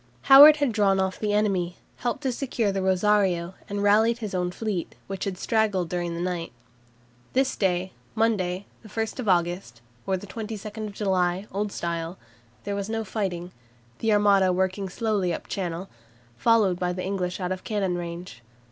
Howard had drawn off from the enemy, helped to secure the "Rosario," and rallied his own fleet, which had straggled during the night. This day, Monday, 1 August (or 22 July, Old Style), there was no fighting, the Armada working slowly up Channel, followed by the English out of cannon range.